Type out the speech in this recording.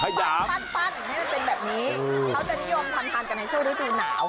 เขาจะนิยมทำทานกางเฮทโชเฝียงฤดูหนาว